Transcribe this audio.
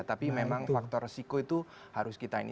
tapi memang faktor resiko itu harus kita ini